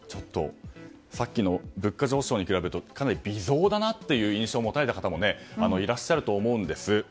さっきの物価上昇に比べるとかなり微増だなという印象を持たれた方もいらっしゃると思うんです。